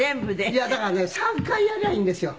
いやだからね３回やりゃいいんですよ。